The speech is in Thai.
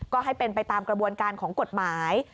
ก็ให้เป็นไปตามกระบวนการของกฎหมาย